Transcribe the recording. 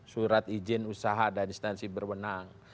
surat izin usaha dan instansi berwenang